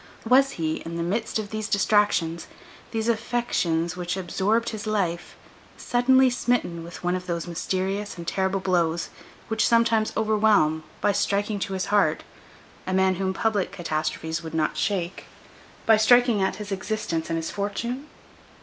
Was he, in the midst of these distractions, these affections which absorbed his life, suddenly smitten with one of those mysterious and terrible blows which sometimes overwhelm, by striking to his heart, a man whom public catastrophes would not shake, by striking at his existence and his fortune?